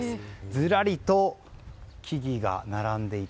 ずらりと木々が並んでいて。